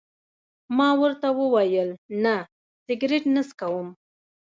ما ورته وویل: نه، سګرېټ نه څکوم.